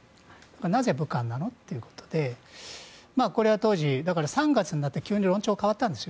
なぜ、武漢なの？ということでこれは当時、だから３月になって急に中国は論調が変わったんです。